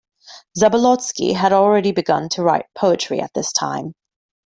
Zabolotsky had already begun to write poetry at this time.